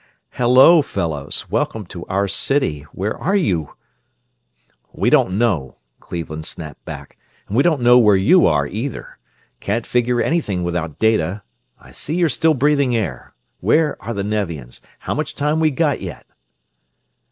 "Hello, fellows, welcome to our city! Where are you?" "We don't know," Cleveland snapped back, "and we don't know where you are, either. Can't figure anything without data. I see you're still breathing air. Where are the Nevians? How much time we got yet?"